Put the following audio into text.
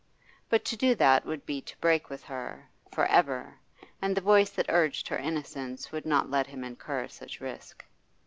But to do that would be to break with her for ever, and the voice that urged her innocence would not let him incur such risk.